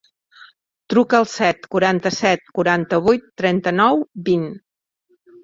Truca al set, quaranta-set, quaranta-vuit, trenta-nou, vint.